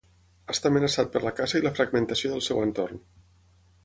Està amenaçat per la caça i la fragmentació del seu entorn.